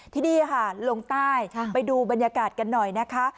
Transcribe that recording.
ที่นี่ค่ะลงใต้ไปดูบรรยากาศกันหน่อยนะคะ